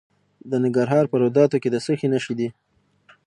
د ننګرهار په روداتو کې د څه شي نښې دي؟